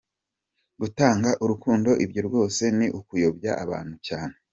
Gutanga urukundo ibyo rwose ni ukuyobya abantu cyane.